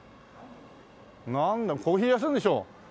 なんだコーヒー屋さんでしょ？